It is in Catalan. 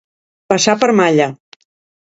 Passar per malla.